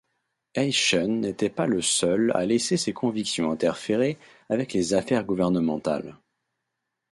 Eyschen n’était pas le seul à laisser ses convictions interférer avec les affaires gouvernementales.